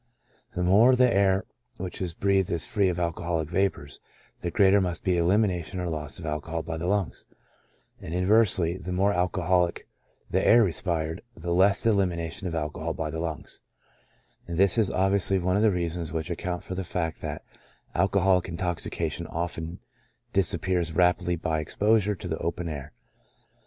The more the air which is breathed is free from alcoholic vapors, the greater must be the elimination or loss of alcohol by the lungs ; and in versely, the more alcoholic the air respired, the less is the elimination of alcohol by the lungs ; and this is obviously one of the reasons which account for the fact that alcoholic intoxication often disappears rapidly by exposure to the open air.